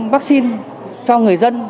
vaccine cho người dân